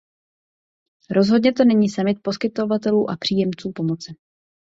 Rozhodně to není summit poskytovatelů a příjemců pomoci.